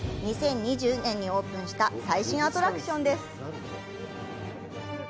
２０２０年にオープンした最新アトラクションです。